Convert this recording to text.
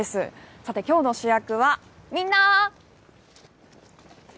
さて、きょうの主役は、みんな。